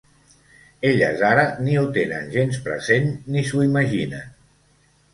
Elles ara ni ho tenen gens present ni s'ho imaginen.